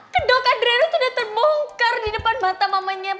kedok adriana tuh udah terbongkar di depan mata mamanya